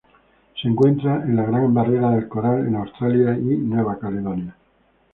Se encuentra en la Gran Barrera de Coral en Australia y Nueva Caledonia.